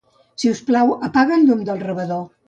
Si us plau, apaga el llum del rebedor.